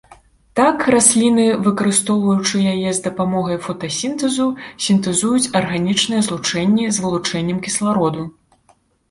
Так, расліны, выкарыстоўваючы яе з дапамогай фотасінтэзу, сінтэзуюць арганічныя злучэнні з вылучэннем кіслароду.